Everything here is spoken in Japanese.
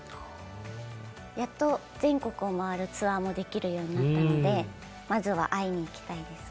やっと全国を回るツアーもできるようになったのでまずは会いに行きたいです。